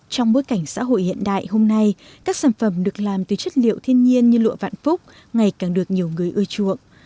trong bối cảnh xã hội hiện đại hôm nay các sản phẩm được làm từ chất liệu thiên nhiên như lụa vạn phúc ngày càng được nhiều người ưa chuộng